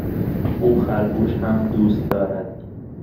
او خرگوش هم دوست دارد.